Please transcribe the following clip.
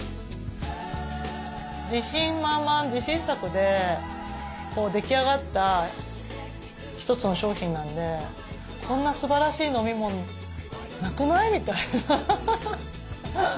自信満々自信作で出来上がった一つの商品なんでこんなすばらしい飲み物なくない？みたいな。